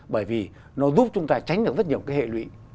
bởi vì nó giúp chúng ta tránh được rất nhiều cái hệ lụy